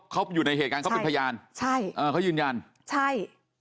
เขาอยู่ในเหตุการณ์เขาเป็นพยานใช่เออเขายืนยันใช่